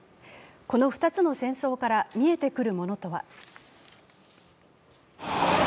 この２つの戦争から見えてくるものとは。